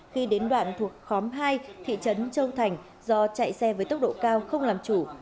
khi đến đoạn thuộc khóm hai thị trấn châu thành do chạy xe với tốc độ cao không làm chủ